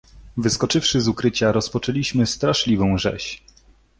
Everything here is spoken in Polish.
"„Wyskoczywszy z ukrycia, rozpoczęliśmy straszliwą rzeź."